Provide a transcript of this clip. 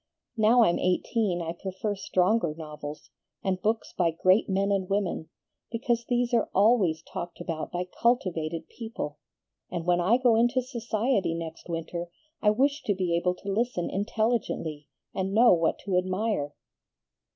Now I'm eighteen I prefer stronger novels, and books by great men and women, because these are always talked about by cultivated people, and when I go into society next winter I wish to be able to listen intelligently, and know what to admire."